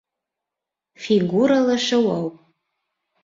Фигуралы шыуыу